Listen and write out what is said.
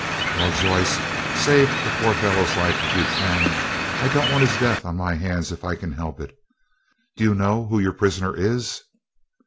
"Well, Joyce, save the poor fellow's life if you can; I don't want his death on my hands if I can help it. Do you know who your prisoner is?"